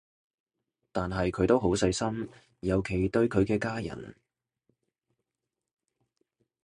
但係佢都好細心，尤其對佢嘅家人